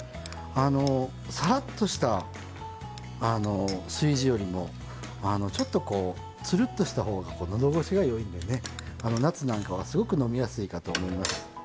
あのサラッとした吸地よりもちょっとこうツルッとした方が喉越しがよいんでね夏なんかはすごく飲みやすいかと思います。